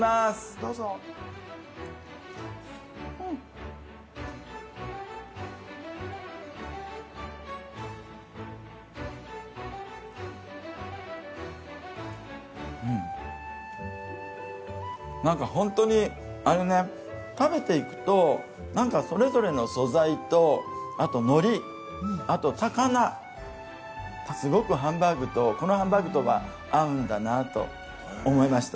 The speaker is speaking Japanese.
どうぞうんなんか本当にあれね食べていくとなんかそれぞれの素材とあと海苔あと高菜すごくハンバーグとこのハンバーグとは合うんだなと思いました